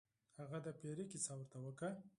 هغه د پیري کیسه ورته وکړه.